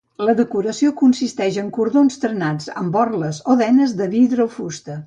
La decoració consisteix en cordons trenats amb borles o denes de vidre o fusta.